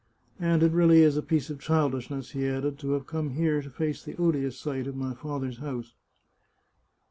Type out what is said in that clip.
And it really is a piece of childishness," he added, " to have come here to face the odious sight of my father's house."